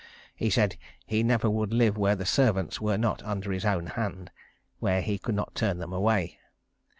He said he never would live where the servants were not under his own hand where he could not turn them away.